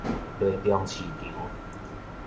犁忠市場